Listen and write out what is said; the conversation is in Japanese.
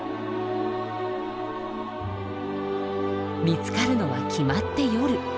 見つかるのは決まって夜。